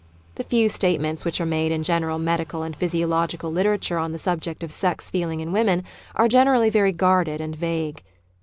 The few statements which are made in general medical and physiological literature on the subject of sex feeling in women are generally very guarded and vague.